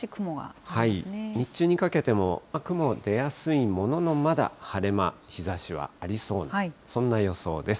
日中にかけても、雲出やすいものの、まだ晴れ間、日ざしはありそう、そんな予想です。